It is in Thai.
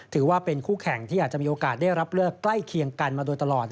ถือว่าเป็นคู่แข่งที่อาจจะมีโอกาสได้รับเลือกใกล้เคียงกันมาโดยตลอด